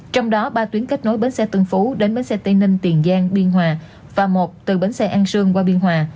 trong đó ba tuyến kết nối bến xe tân phú đến bến xe tây ninh tiền giang biên hòa và một từ bến xe an sương qua biên hòa